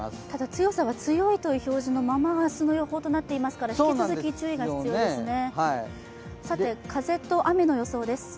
強さは、強いという表示のまま明日の予報になっていますから引き続き注意が必要ですね。